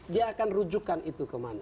dia akan rujukan itu kemana